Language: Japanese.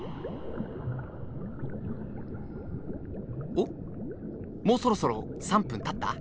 おっもうそろそろ３分たった？